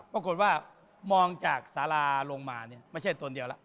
ปรากฏว่ามองจากสาราลงมาเนี่ยไม่ใช่ตนเดียวแล้ว